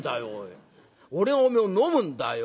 俺はおめえを飲むんだよ。